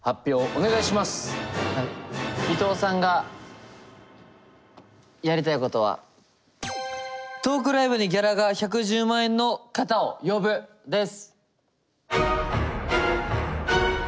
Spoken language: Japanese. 伊藤さんがやりたいことは「トークライブにギャラが１１０万円の方を呼ぶ」です。